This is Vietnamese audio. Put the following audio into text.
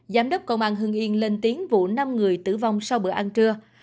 giám đốc công an hưng yên lên tiếng vụ năm người tử vong sau bữa ăn trưa